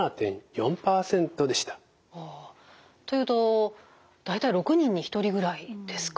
というと大体６人に１人ぐらいですか。